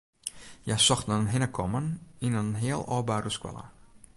Hja sochten in hinnekommen yn in heal ôfboude skoalle.